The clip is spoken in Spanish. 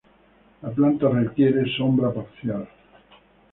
La planta requiere sombra parcial.